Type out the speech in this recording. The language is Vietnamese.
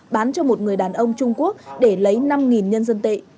bán cho một người đàn ông trung quốc để lấy năm nhân dân tệ